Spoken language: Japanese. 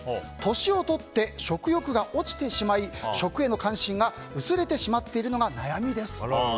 年を取って、食欲が落ちてしまい食への関心が薄れてしまっているのが悩みです。